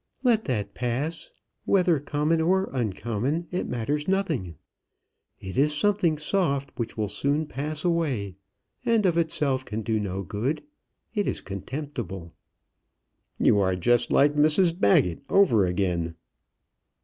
"Let that pass; whether common or uncommon, it matters nothing. It is something soft, which will soon pass away, and of itself can do no good. It is contemptible." "You are just Mrs Baggett over again."